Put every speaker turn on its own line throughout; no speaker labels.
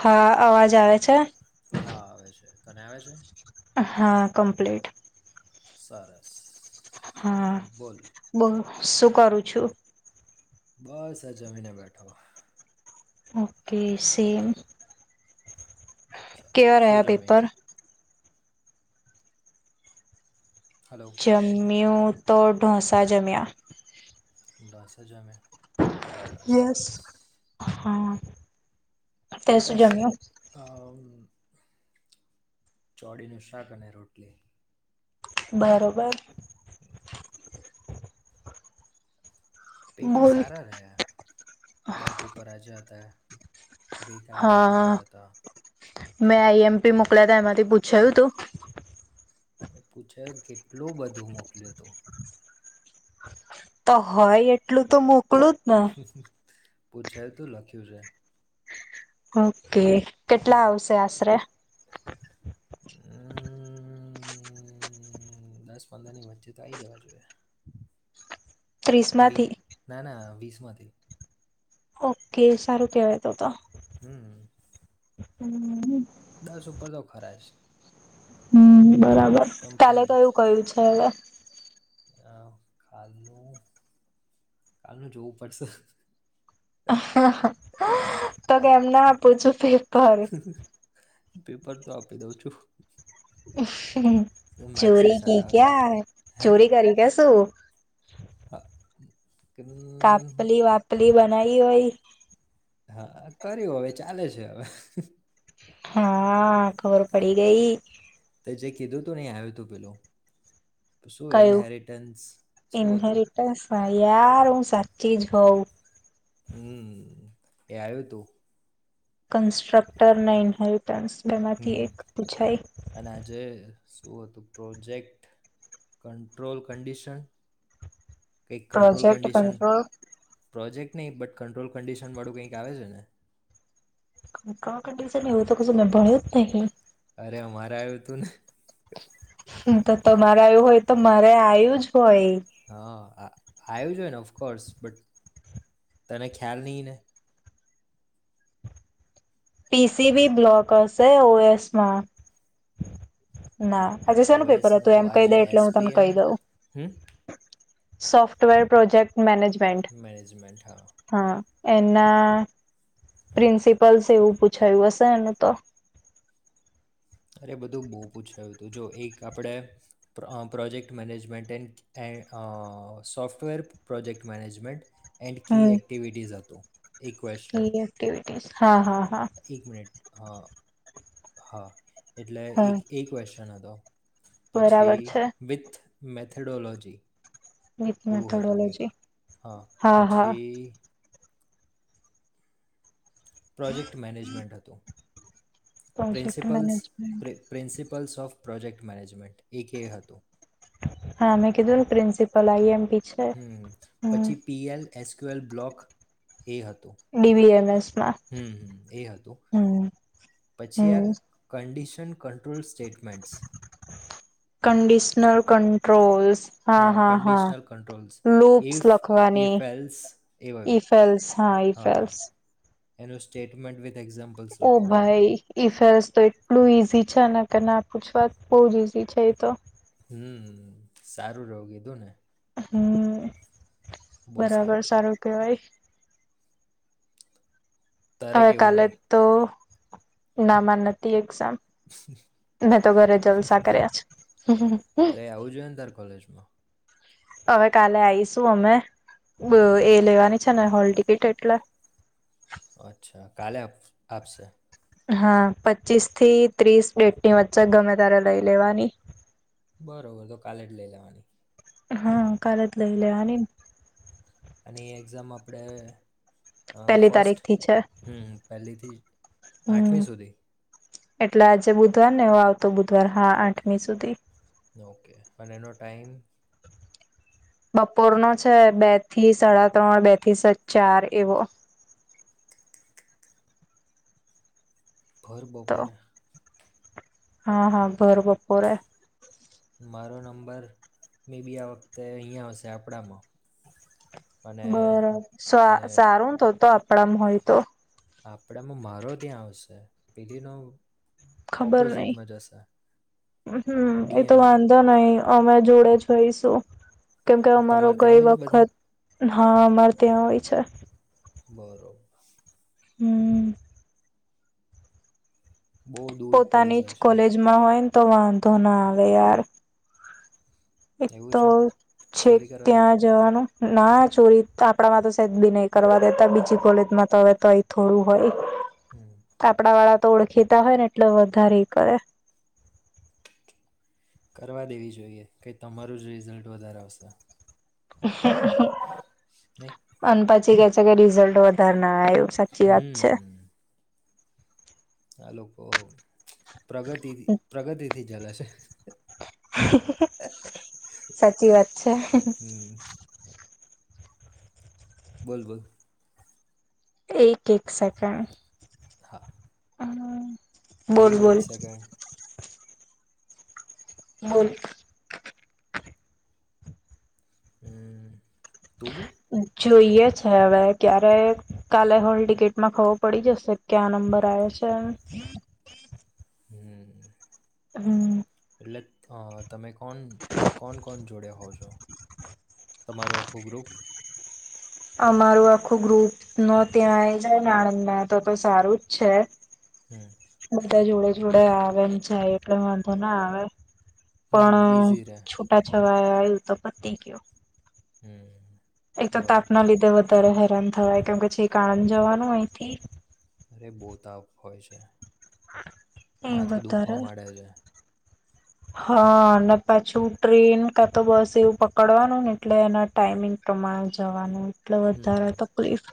હા અવાજ આવે છે?
હા આવે છે, તને આવે છે.
હા કમ્પ્લીટ.
સરસ.
હા
બોલ
બો શું કરું છું?
બસ હ જમીને બેઠો.
Okay same. કેવા
સરસ શું
રહ્યા
જમી
પેપર?
હલો
ચમ [unintelligible] મી તો ઢોસા જમ્યા.
ડાસ જમે. સરસ
યસ
સરસ.
હા. તે શું
પેપર્સ
જમ્યું
ચોડીનું શાક અને રોટલી.
બરોબર.
પેપર
બોલ
સારા રહ્યા, બે પેપર આજ્યા હતા. ગઈકાલે બે પેપર
હા
હતા.
મેં આઈ એમ પી મોકલા્યા ત એમાંથી પૂછાયું હતું?
અરે પૂછે કેટલું બધું મોકલ્યું તું.
તો હોય એટલું તો મુ મકળું જ ને.
પૂછાય તું લખ્યું છે
હા. કે કેટલા આવશે આશરે? [inaudible]
અમ્મ, દસ પંદરની વચ્ચે તો આઈ જવા જોઈએ.
ત્રીસ
વિ
માંથી
ના, ના વીસ માંથી.
ઓકે. સારું કેવાય તો-તો.
હમ્મ.
હમ્મ.
દસ ઉપર તો ખરા જ.
હમ્મ. બરાબર.
પણ
કાલે કયું-કયું છ [unintelligible]
અહ કાલનું, કાલનું જોવું પડશે.
[inaudible] તો કેમ ના [unintelligible] ઘર
પેપર તો આપી દઉં છું.
[inaudible] હમ્મ.
માર્ક્સ એ
ચોરી કી
સારા આવશે
ક્યા?
હે
ચોરી કરે કે શું? [inaudible]
[inaudible] હમ,
કાપલી વાપલ લી બનાઈ હોય
હા કર્યું હવે ચાલે છે હવે.
હા, ખબર પડી ગઈ.
તે જે કીધું તું ને એ આયું તું પેલું. શું
કયું
ઇન્હેરિટેન્સ, શું હતું?
ઇન્હેરિટન્સ યાર, હું સાચી જ હોવ.
હમ્મ, એ આયું તું.
કન્સ્ટ્રક્ટર [unintelligible] ટ્રન્સ બે માંથી
હમ
એક
અને
પૂછાઈ.
આજે શું હતું? Project control condition. કંઈક control
project
condition
control
project નહીં, બટ કંટ્રોલ કંડિશન વાળું કંઈક આવે છે ને?
Control condition? એવું તો કશું મે ભણ્યું જ નહીં.
અરે અમારે આયું તું ને.
હમ્મ, તો તમારે આયું હોય તો મારે આયું જ હોય.
હા આ આયવુ જો હોય ને ઓફકોર્સ બટ તને ખ્યાલ નહી ને.
પી સી વી બ્લોક હશે ઓ એસમાં. ના આજે શેનું
ઓએસ
પેપર હતું
નતું
એમ કહી
આજે
દે એટલે હું તને
એસપીએમ
કહી દઉં.
હમ
સોફ્ટવેર પ્રોજેક્ટ મેનેજ
મેનેજમેન્ટ હા.
એના પ્રિન્સિપલસ એવું પૂછાયું હશે એનું તો.
અરે બધું બહુ પૂછાયું તું જો એક આપણેે પ્રોજેક્ટ મેનેજમેન્ટ એ software project management. And key
hmm
activities હતું એ ક્વેેશ્ચન.
કી એક્ટિવિટીસ હા હા. હા
એક મિનિટ. હા, હા. એટલે
હમ
એક એ ક્વેશ્ચન હતો. પછી
બરાબર છે
વિથ મેથેડોલોજી.
મેથ
એવું હતું કંઈક
મેથેડોલોજી. હા હા.
પ્રોજેક્ટ મેનેજમેન્ટ હતું.
Project management.
સ ઓફ પ્રોજેક્ટ મેનેજમેન્ટ એક એ હતું.
હા મેં કધું પ્રિન્સિપલ આઈ એમ પી.
હમ પછી પી એલ એસક્યુએલ બ્લોક. એ હતું,
ડીવીએમએસમાં
હમ હ એ હતું,
હમ
પછી આ
હમ
condition and controls statements.
Conditional controls. હા હા હા,
કન્ડિશનલ કંટ્રોલ્સ
લુપ્સ
ઇફ
લખવાની,
ઇફ એલ્સ એ વયું
ઈફેલ્સ હા ઈફેલ્સ.
એનું સ્ટેટમેન્ટ વિ
ઓ ભાઈ ઇફ તો એટલું ઈઝી છે અને કે ના પૂછવા બહુ જ ઈઝી છે એ તો.
હમ સારું રહવું કીધું ને.
હ.
બહુ સારો
બરાબર
રહ્યો
સારું કેવાય.
તારે
હવે
કેવું
કાલે
રહ્યું
તો. ના માર નતી એક્ઝામ. મેં તો ઘરે જલસા કર્યા છે.
અરે આવું જોઈએ ને તાર કોલેજમાં
હવે કાલે આઈશું અમે, બ એ લેવાની છે ને હોલ ટિકિટ એટલે.
અચ્છા. કાલે આપ આપશે?
હા. પચીસ થી ત્રીસ ડેટની વચ્ચે ગમે ત્યારે લઈ લેવાની.
બરોબર. તો કાલે જ લઈ લેવાની.
હા. કાલે જ લઈ
હમ
લેવાની ન.
અને એ એક્ઝામ આપણે અહ
પેલી
ફસ્ટ,
તારીખ થી છે
હમ્મ, પહેલીથી
હમ
આઠમી સુધી?
એટલે આજે બુધવાર ને હવે આવતો બુધવાર, હા, આઠમી સુધી.
ઓકે. પણ એનો ટાઈમ
બપોરનો છે. બે થી સાડા ત્રણ, બે થી સ ચાર એવો. તો
ભરબપોરે?
હા, હા ભરબપોરે.
મારો નંબર મેબી આ વખતે અહીયાં આવશે આપડામાં.
બરા, સ સારુંન તો-તો આપ પડામ હોય તો.
આપડામાં મારો ત્યાં આવશે. પેલી નો
ખબર નઈ. હમ્મ એતો
ડીએનમાં
વાંધો નઈ. અમે જોડે જ હોઈશું. કેમ કે
એ
અમારો
તમારે ત્યાં
ગઈ
હોય છે બધાને
વખત હા અમારે ત્યાં હોય છે.
બરોબ સે.
હમ્મ.
બહુ દૂર પડી
પોતાની જ
જાય છે
કોલેજમાં હોય તો વાંધો નાવે યાર. એક
એવું
તો
છે
છે
ચોરી કરવા દે
ત્યા જણ. ના ચોરી આપણામાં તો સેજ બી નહી કરવા દેતા બીજી કોલેજમાં તો હવે તોય થોડું હોય.
હમ
કપડા વાળા ઓળખીતા હોય ને એટલે વધારે કરે.
કરવા દેવી જોઈએ કે તમારું જ રિઝલ્ટ વધારે આવશે. નહીં
અનપદ છી કે રિઝલ્ટ વધારે ના આવ્યો. સાચી વાત છે.
હમ આ લોકો પ્રગતિથી પ્રગતિથી જલશે.
સાચી વાત છે
હમ્મ. બોલ-બોલ.
એક-એક સેકન્ડ.
હા.
અમ્મ.
થઈ ગયો એક સેકન્ડ?
બોલ.
હમ્મ. તું બોલ.
જોઈએ છે હવે ક્યારે કાલે હોલ ટિકિટમાં ખબર પડી જશે ક્યા નંબર આવે છે.
હમ્મ.
હમ્મ.
એટલે અહ તમે કોન કોણ-કોણ જોડે હોવ છો? તમારું આખું ગ્રુપ?
અમારું આખું ગ્રુપ નો ત્યાં આઈ જાયને આણંદમાં તો-તો સારું જ છે.
હમ્મ.
બધા જોડે-જોડે આવેન જાય એટલે વાંધો ના આવે.
હમ
પણ
ઇઝી રહે
છૂટા છ વાયા આવ્યું તો પતી ગયું.
હમ્મ.
એક તો તાપના લીધે વધ ધારે હેરાન થવાય કેમ કે છેક આણંદ જવાનું અહીંથી.
અરે બહ તાવ હોય છે.
એ
માથું દુખવા
વધારે
માંડે છે.
હા અને પાછું ટ્રેન કા તો બસ એવું પકડવાનું ને એટલે એના ટાઈમિંગ પ્રમાણે જવાનું. એટ વધારે
હમ
તકલીફ.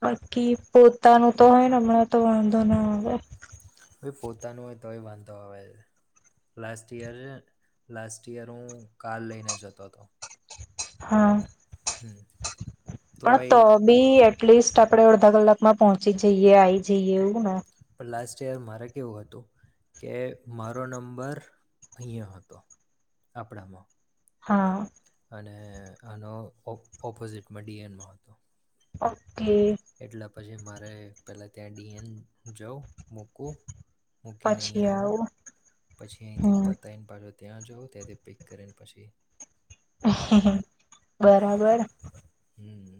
બાકી પોત પોતા ન તો હોય ને હમણાં તો વાંધો ના આવે.
હવે પોતાનું હોય તોય વાંધો હ, લાસ્ટ યર લાસ્ટ યર હું કાર લઈને જતો હતો.
હા.
હમ
પણ
તોય
તો બી એ એલીસ્ટ આપડે અડધા કલાકમાં પહોંચી જઈએ આવી જઈએ એવું ને.
લાસ્ટ યર મારે કેવું હતું, કે મારો નંબર અહીંયા હતો, આપણામાં.
હા.
અને આનો ઓપોઝિટમાં ડી એનમાં હતો.
હ [unintelligible] કે
એટલા પછી મારે પહેલાં ત્યાં ડી એન જાવ મૂકવું. મૂકે નહીં આવું, પછી અહીથી પતાયને પા ત્યાં જાઓ ત્યાંથી પિક કરીને પછી. આગળ
બરાબર.
હમ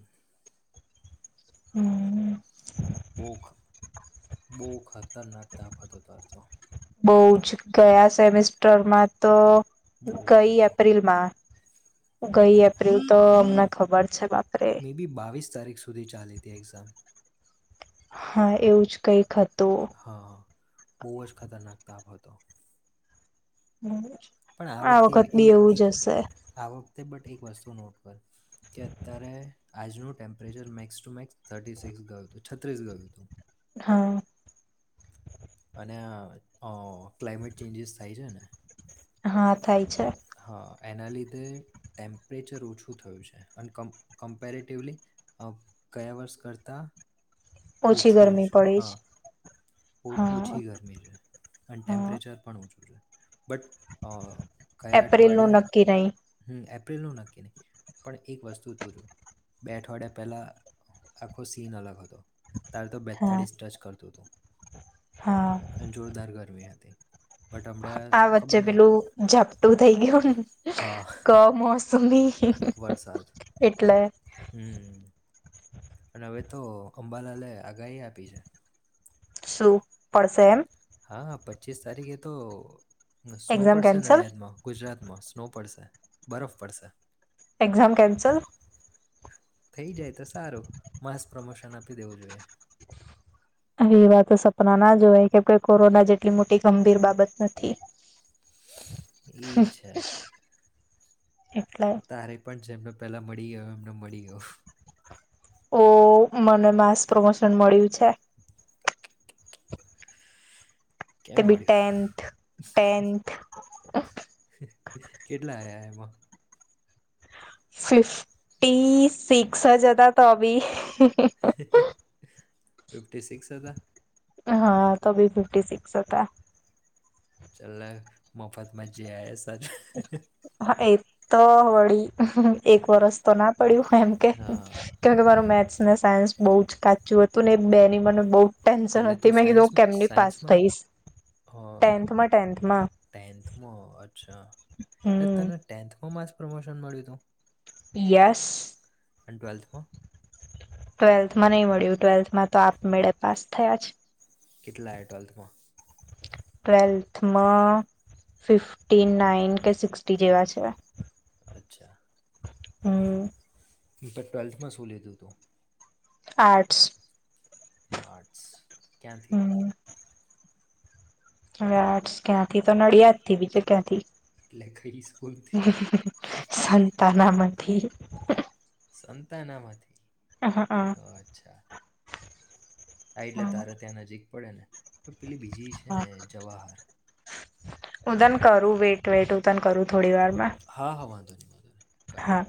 હમ્મ-હમ્મ.
બોખ બોખત
બહુ જ, ગયા સેમેસ ટર માતો-
બહુ જ
ગઈ
હતો
એપ્રિલ માં ગઈ એપ્રિલ તો હમણા ખબર છે બાપ
મેબી બાવીસ તારીખ સુધી ચાલી તી એક્ઝામ.
હા એવું જ કંઈક હ તું.
હા બહુ જ ખતરનાક તાપ હતો.
હમ્મ. આ વખત બી એવું જ હશે.
તે બટ એક વસ્તુ નોટ કર કે અત્યારે આજનું temperature max two max [unintelligible] six ગયું હતું છત્રીસ ગયું હતું.
હા
અને [unintelligible] ક્લાઇમેટ ચેન્જીસ થાય છે, ને.
હા થાય છે.
હા એના લીધે ટેમ્પરેચર ઓછું થયું છે, અને [unintelligible] કમ્પેરેટિવલી કયા વર્ષ કરતાં.
ઓછી
ઓછું
ગરમી
છે,
પડી જ
હા
હા
ઓછી ગરમી છે, અને
હા
ટેમ્પરેચર પણ ઓછું છે. બટ કયા
એપ્રિલ નું
અઠવાડિયે.
નક્કી નહી
હ એપ્રિલનું નક્કી નહીં પણ એક વસ્તુ તુંરું બે અઠવાડિયા પહેલાં આખો સીન અલગ હતો. તાર તો
હા
બેતાળીસ ટચ [unintelligible] હતું.
હા
અને જોરદાર ગરવી હતી. બટ હમણાં
આ વચ્ચે
ખબર નહીં
પેલું ઝપટું થઈ ગયુંને.
હા વરસાદ
એટલે
હમ અને હવે તો અંબાલાલે આગાહી આપી છે.
શું પડશે એમ.
હા પચીસ તારીખે તો [unintelligible]
એક્ઝામ
પડશે
કેન્સલ
નડિયાદમાં ગુજરાત માં [unintelligible] પડશે બરફ પડશે.
Exam cancel.
થઈ જાય તો સારું માસ પ્રમોશન આપી દેવું જોઈએ.
હવે એવા તો સપના ના જોવાય કે કોરોના જેટલી મોટી ગંભીર બાબત નથી.
[unintelligible] છે.
એટલે
તારે પણ જેમનો. પહેલાં મળી ગયો એમને મળી ગયો.
ઓ મને માસ પ્રમોશન મળ્યું છે. તે
કેમ
બી [unintelligible]
મળ્યું
ટેન્થ.
કેટલા [unintelligible] એમાં.
ફિફ્ટટી સિક્સ હ જતા તો બી
ફિફ્ટી સિક્સ હતા [inaudible]
હા તો ભી ફિફ્ટી સિક્સ હતા.
ચાલ મોફત [inaudible]
હા એ. [inaudible] એક વરસ તો ના પડ્યું એમ કે
હા
કેમ કે મારું મેચ ના સાયન્સ બહુ જ કાચું હતું ને બે ની મને બહુ. ટેન્શન
એટલે
હતી
તું
મેં કીધું
સાયન્સ
હું કેમની પાસ
સાયન્સમાં
થઈશ
ટેન્થમાં અચ્છા. એટલે
હમ
તને ટેન્થમાં પ્રમોશન મળ્યું હતું.
પિયાસ.
એન્ડ ટ્વેલ્થમાં?
ટ્વેલ્થમાં નહી મળ્યું ટ્વેલ્થમાં તો આપમેળે પાસ થયા જ.
કેટલા એ ટ્વેલ્થમાં?
ટ્વેલ્થમાં ફિફ્ટી નાઈન કે સિક્સી જેવા છે.
અચ્છા.
હમ.
મે ટ્વેલ્થમાં શું લીધું હતું?
આટ્સ.
આટસ ક્યાંથી?
હમ હવે આ ક્યાંથી તો નડિયાદ થી બીજું ક્યાંથી.
લેખરી.
સંતનામાં. થી.
સંતાનામાંથી. ઓ અચ્છા. હા એટલે તારે ત્યાં નજીક પડે ને. હવે પેલી બીજી છે ને જવાહર.
ઉદન કરું વેટ વેટ ઉદન કરું ત. થોડી વારમાં
હા હા વાંધો નહીં વાંધો નહીં કર
હા.